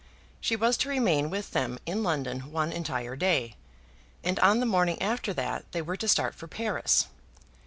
She was to remain with them in London one entire day, and on the morning after that they were to start for Paris.